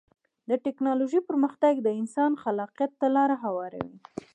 د ټکنالوجۍ پرمختګ د انسان خلاقیت ته لاره هواروي.